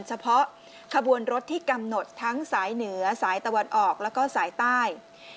เฉพาะขบวนรถที่กำหนดทั้งสายเหนือสายตะวันออกแล้วก็สายใต้